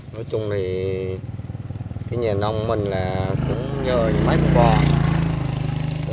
nói chung thì cái nhà nông của mình là cũng nhờ mấy bụng bò